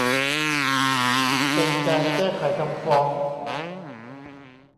เป็นการแก้ไขคำฟ้อง